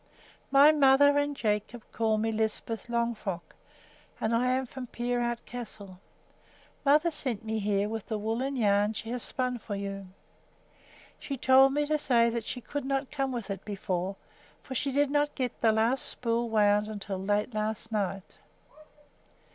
My mother and Jacob call me Lisbeth Longfrock, and I am from Peerout Castle. Mother sent me here with the woolen yarn she has spun for you. She told me to say that she could not come with it before, for she did not get the last spool wound until late last night."